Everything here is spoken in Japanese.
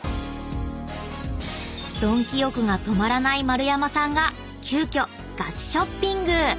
［ドンキ欲が止まらない丸山さんが急きょガチショッピング］